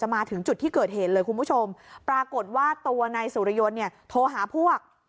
มาถึงจุดที่เกิดเหตุเลยคุณผู้ชมปรากฏว่าตัวนายสุริยนต์เนี่ยโทรหาพวก